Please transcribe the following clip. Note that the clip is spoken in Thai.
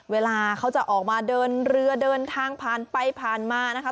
เวลาเขาจะออกมาเดินเรือเดินทางผ่านไปผ่านมานะคะ